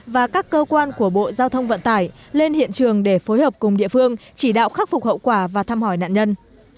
và các cơ quan của bộ giao thông vận tải lên hiện trường để phối hợp cùng địa phương chỉ đạo khắc phục hậu quả và thăm hỏi nạn nhân